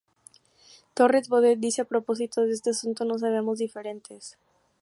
Torres Bodet dice a propósito de este asunto:Nos sabíamos diferentes.